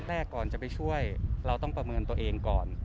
แรกก่อนจะไปช่วยเราต้องประเมินตัวเองก่อน